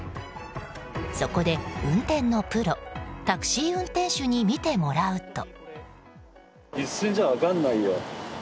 そこで運転のプロタクシー運転手に見てもらうと。